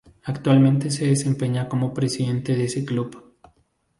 Actualmente se desempeña como presidente de ese club.